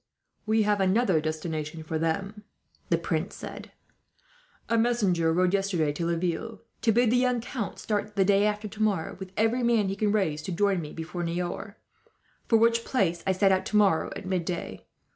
"We have another destination for them," the prince said. "A messenger rode yesterday to Laville, to bid the young count start, the day after tomorrow, with every man he can raise, to join me before Niort; for which place I set out, tomorrow at midday.